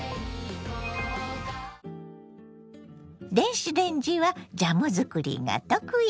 電子レンジはジャム作りが得意。